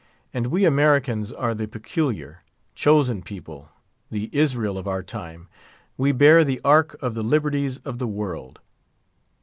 And we Americans are the peculiar, chosen people—the Israel of our time; we bear the ark of the liberties of the world.